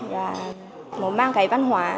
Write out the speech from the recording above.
và muốn mang cái văn hóa